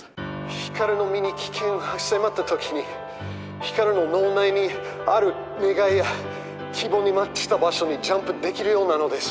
光の身に危険が迫った時に光の脳内にある願いや希望にマッチした場所にジャンプできるようなのです。